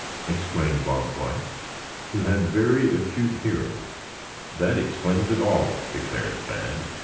exclaimed Bob White, who had very acute hearing. "That explains it all," declared Thad.